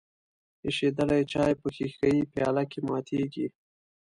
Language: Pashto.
ایشیدلی چای په ښیښه یي پیاله کې ماتیږي.